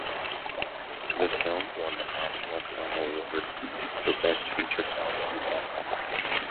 The film won the National Film Award for Best Feature Film in Tamil.